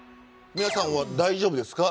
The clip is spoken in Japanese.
皆さんは大丈夫ですか。